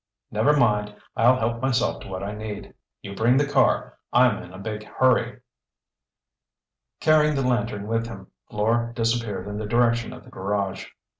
"Never mind. I'll help myself to what I need. You bring the car. I'm in a big hurry." Carrying the lantern with him, Fleur disappeared in the direction of the garage.